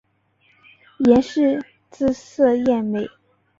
阎氏姿色艳美。